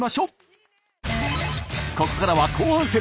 ここからは後半戦。